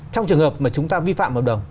trong trường hợp mà chúng ta vi phạm hợp đồng